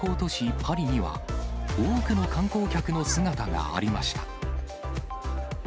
パリには、多くの観光客の姿がありました。